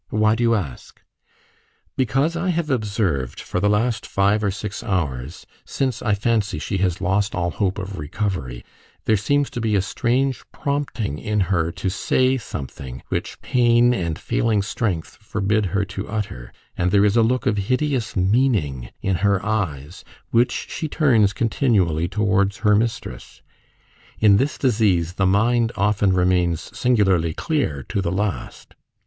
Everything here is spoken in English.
Why do you ask?" "Because I have observed for the last five or six hours since, I fancy, she has lost all hope of recovery there seems a strange prompting in her to say something which pain and failing strength forbid her to utter; and there is a look of hideous meaning in her eyes, which she turns continually towards her mistress. In this disease the mind often remains singularly clear to the last."